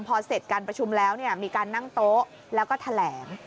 พอเสร็จการประชุมแล้วมีการนั่งโต๊ะแล้วก็แถลง